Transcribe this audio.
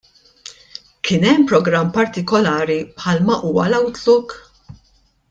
Kien hemm programm partikolari bħalma huwa l-Outlook?